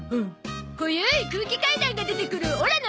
こゆい空気階段が出てくるオラの映画！